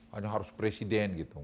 hanya harus presiden gitu